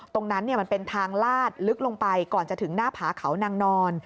มันเป็นทางลาดลึกลงไปก่อนจะถึงหน้าผาเขานางนอน